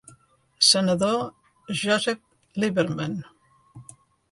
Senador Joseph Lieberman.